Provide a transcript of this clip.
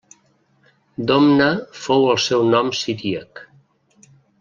Domna fou el seu nom siríac.